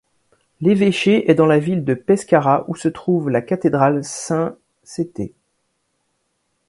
L'évêché est dans la ville de Pescara où se trouve la cathédrale Saint Céthée.